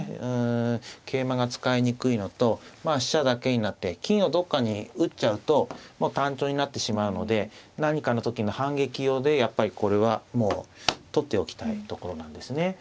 うん桂馬が使いにくいのと飛車だけになって金をどっかに打っちゃうともう単調になってしまうので何かの時の反撃用でやっぱりこれは取っておきたいところなんですね。